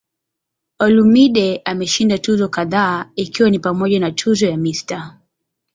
Olumide ameshinda tuzo kadhaa ikiwa ni pamoja na tuzo ya "Mr.